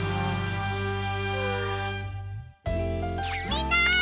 みんな！